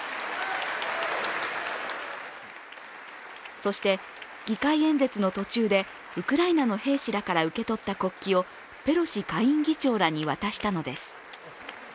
そして議会演説の途中でウクライナの兵士らから受け取った国旗をペロシ下院議長らに渡したのです。